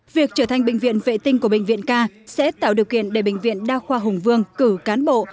việc trở thành bệnh viện vệ tinh của bệnh viện ca sẽ tạo điều kiện để bệnh viện đa khoa hùng vương cử cán bộ